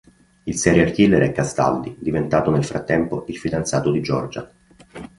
Il serial killer è Castaldi diventato nel frattempo il fidanzato di Giorgia.